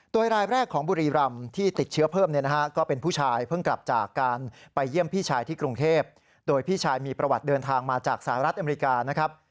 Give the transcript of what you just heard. โดยรายแรกของบุรีรำที่ติดเชื้อเพิ่มเนี่ยนะฮะก็เป็นผู้ชายเพิ่งกลับจากการไปเยี่ยมพี่ชายที่กรุงเทพโดยพี่ชายมีประวัติเดินทางมาจากสหรัฐอเมริกานะครับ